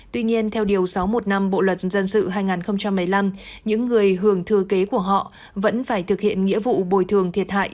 tuy nhiên theo điều sáu trăm một mươi năm bộ luật dân sự hai nghìn một mươi năm những người hưởng thừa kế của họ vẫn phải thực hiện nghĩa vụ bồi thường thiệt hại